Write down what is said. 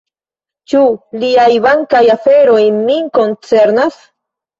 Ĉu liaj bankaj aferoj min koncernas?